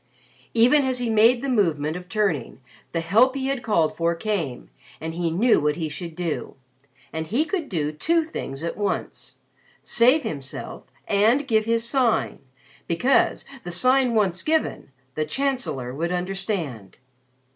Even as he made the movement of turning, the help he had called for came and he knew what he should do. And he could do two things at once save himself and give his Sign because, the Sign once given, the Chancellor would understand.